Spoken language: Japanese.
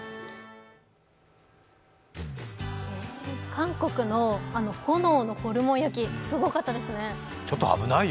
韓国の炎のホルモン焼き、すごかったですね。